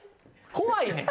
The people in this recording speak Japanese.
怖いねん。